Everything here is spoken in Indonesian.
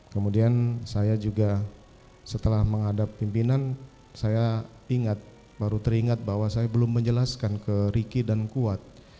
kemudian saya juga setelah menghadap pimpinan saya ingat baru teringat bahwa saya belum menjelaskan ke ricky dan kuat